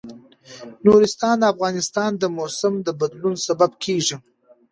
نورستان د افغانستان د موسم د بدلون سبب کېږي.